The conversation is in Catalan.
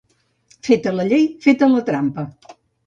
Feta la llei, feta la trampa.